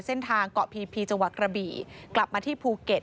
เส้นทางเกาะพีพีจังหวัดกระบี่กลับมาที่ภูเก็ต